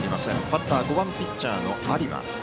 バッター５番ピッチャーの有馬。